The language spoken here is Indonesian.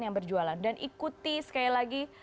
yang berjualan dan ikuti sekali lagi